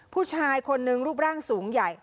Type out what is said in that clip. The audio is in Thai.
ผู้ชายคนนึงรูปร่างสูงใหญ่